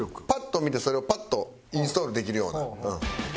パッと見てそれをパッとインストールできるような。